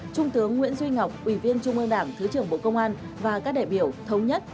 trung tướng nguyễn duy ngọc ủy viên trung ương đảng thứ trưởng bộ công an và các đại biểu thống nhất